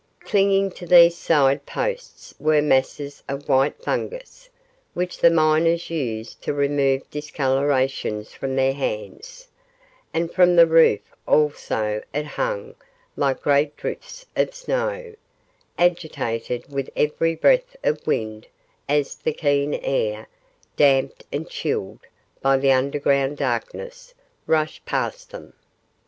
Clinging to these side posts were masses of white fungus, which the miners use to remove discolorations from their hands, and from the roof also it hung like great drifts of snow, agitated with every breath of wind as the keen air, damped and chilled by the underground darkness, rushed past them.